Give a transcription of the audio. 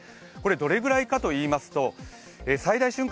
どれぐらいかといいますと最大瞬間